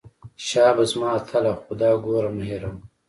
شابه زما اتله خو دا ګوره مه هېروه.